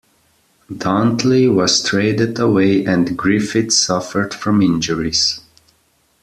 Dantley was traded away and Griffith suffered from injuries.